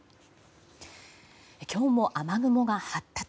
今日も雨雲が発達。